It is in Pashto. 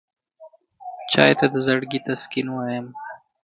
چای ته د زړګي تسکین وایم.